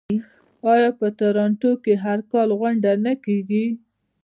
آیا په تورنټو کې هر کال غونډه نه کیږي؟